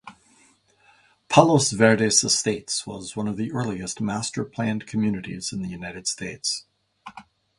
Palos Verdes Estates was one of the earliest masterplanned communities in the United States.